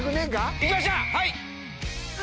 行きました！